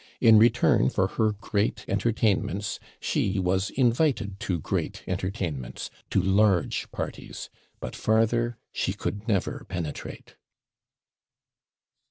In return for her great entertainments she was invited to great entertainments, to large parties; but farther she could never penetrate.